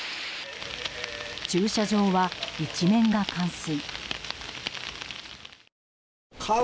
駐車場は一面が冠水。